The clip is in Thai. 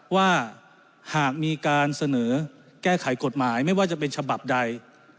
ว่าหากมีการเสนอแก้ไขกฎหมายไม่ว่าจะเป็นฉบับใด